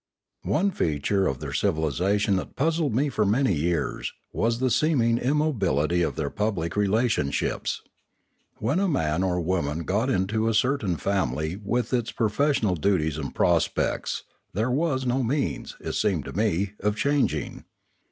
One feature of their civilisation that puzzled me for many years was the seeming immobility of their public relationships. When a man or woman got into a certain family with its professional duties and prospects, there was no means, it seemed to me, of changing.